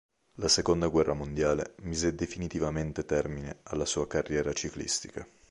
La Seconda guerra mondiale mise definitivamente termine alla sua carriera ciclistica.